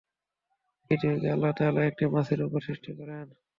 পৃথিবীকে আল্লাহ তাআলা একটি মাছের উপর সৃষ্টি করেন।